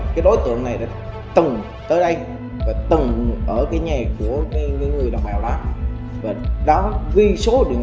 cái đối tượng này từng tới đây và từng ở cái nhà của người đồng bào đó và đó ghi số điện